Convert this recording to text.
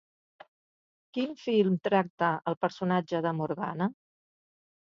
Quin film tracta el personatge de Morgana?